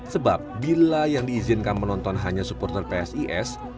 sebab bila yang diizinkan menonton hanya supporter psis